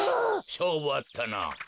しょうぶあったな。